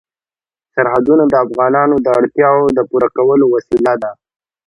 سرحدونه د افغانانو د اړتیاوو د پوره کولو وسیله ده.